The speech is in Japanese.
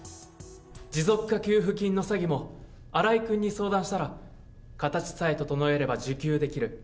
持続化給付金の詐欺も、新井君に相談したら、形さえ整えれば受給できる。